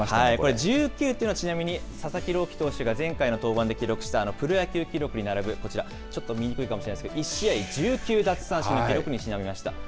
１９とはちなみに、佐々木朗希投手が前回の登板で記録したプロ野球記録に並ぶ、こちら、ちょっと見にくいかもしれないですけれども、１試合１９奪三振という記録にちなみました。